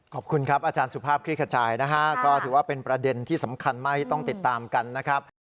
ขอบคุณครับอาจารย์สุภาพคลิกขจายนะฮะก็ถือว่าเป็นประเด็นที่สำคัญไม่ต้องติดตามกันนะครับ